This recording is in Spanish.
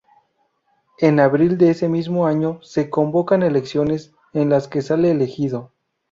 En abril de ese mismo año se convocan elecciones, en las que sale elegido.